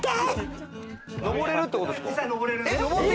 登れるってことですか？